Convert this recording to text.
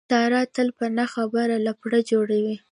ساره تل په نه خبره لپړه جوړوي.